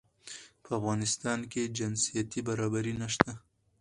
په افغانستان کې جنسيتي برابري نشته